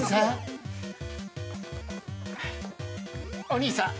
お兄さん！？